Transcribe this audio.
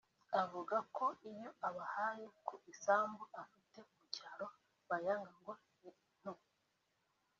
Avuga ko iyo abahaye ku isambu afite mu cyaro bayanga ngo ni nto